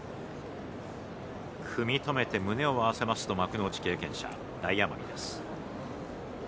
組み止めて胸を合わせますと幕内経験者、大奄美です。